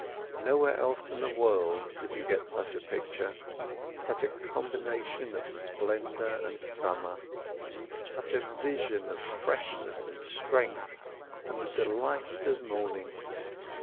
Nowhere else in the world could you get such a picture, such a combination of splendour and summer, such a vision of freshness and strength, and the delight of morning.